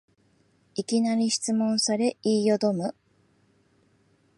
いきなり質問され言いよどむ